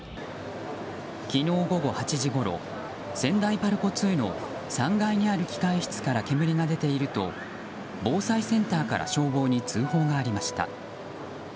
昨日午後８時ごろ仙台パルコ２の３階にある機械室から煙が出ていると防災センターから消防に通報がありました。